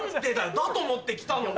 だと思って来たのに！